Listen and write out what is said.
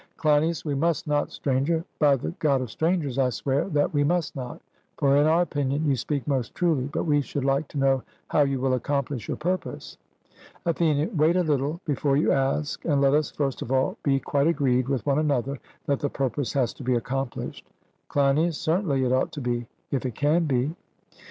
CLEINIAS: We must not, Stranger, by the God of strangers I swear that we must not, for in our opinion you speak most truly; but we should like to know how you will accomplish your purpose. ATHENIAN: Wait a little before you ask; and let us, first of all, be quite agreed with one another that the purpose has to be accomplished. CLEINIAS: Certainly, it ought to be, if it can be.